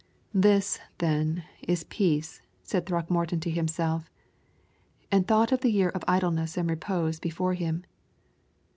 "This, then, is peace," said Throckmorton to himself, and thought of the year of idleness and repose before him.